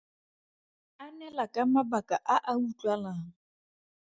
Anela ka mabaka a a utlwalang.